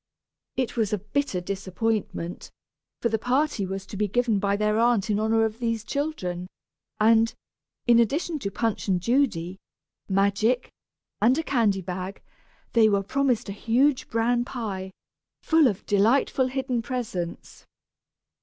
It was a bitter disappointment, for the party was to be given by their aunt in honor of these children, and, in addition to Punch and Judy, magic, and a candy bag, they were promised a huge bran pie, full of delightful hidden presents.